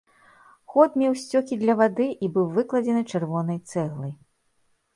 Ход меў сцёкі для вады і быў выкладзены чырвонай цэглай.